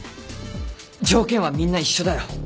条件はみんな一緒だよ。